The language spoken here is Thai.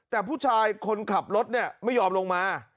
แต่ผู้ชายคนขับรถเนี่ยไม่ยอมลงมา